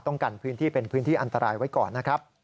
ต้องกันพื้นที่เป็นพื้นที่อันตรายไว้ก่อน